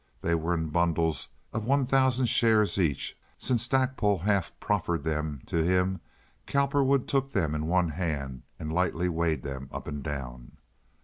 They were in bundles of one thousand shares each. Since Stackpole half proffered them to him, Cowperwood took them in one hand and lightly weighed them up and down.